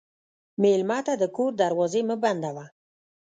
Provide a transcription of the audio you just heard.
مېلمه ته د کور دروازې مه بندوه.